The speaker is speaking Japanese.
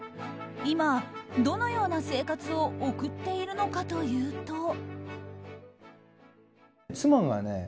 今、どのような生活を送っているのかというと。